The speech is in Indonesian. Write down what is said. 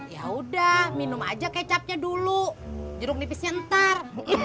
yaudah minum aja kecapnya dulu jeruk nipisnya ntar